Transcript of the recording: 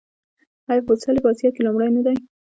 آیا فوټسال یې په اسیا کې لومړی نه دی؟